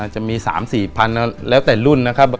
จะมี๓๔พันแล้วแต่รุ่นนะครับ